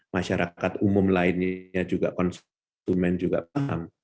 masyarakat umum lainnya juga konsumen juga paham